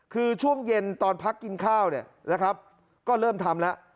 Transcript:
คือช่วงเย็นตอนพักกินข้าวเนี่ยนะครับก็เริ่มทำแล้ว